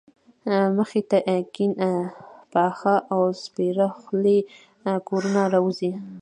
مخې ته ګڼ پاخه او سپېره خولي کورونه راوځي.